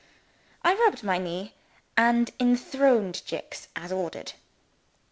I rubbed my knee, and enthroned Jicks as ordered.